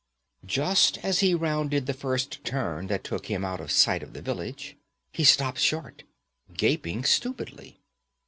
Just as he rounded the first turn that took him out of sight of the village, he stopped short, gaping stupidly.